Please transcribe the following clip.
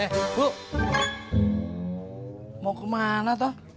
eh bu mau kemana tuh